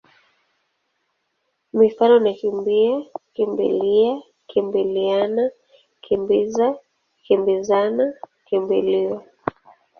Mifano ni kimbi-a, kimbi-lia, kimbili-ana, kimbi-za, kimbi-zana, kimbi-liwa.